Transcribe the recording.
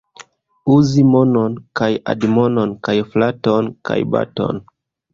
Uzi monon kaj admonon kaj flaton kaj baton.